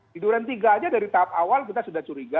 di duran tiga aja dari tahap awal kita sudah curiga